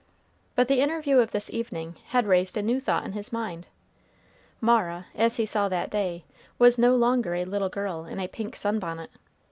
But the interview of this evening had raised a new thought in his mind. Mara, as he saw that day, was no longer a little girl in a pink sun bonnet.